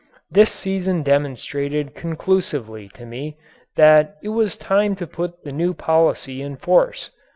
This season demonstrated conclusively to me that it was time to put the new policy in force.